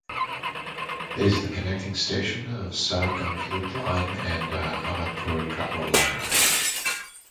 It is the connecting station of Sahibganj loop line and Ahmadpur–Katwa line.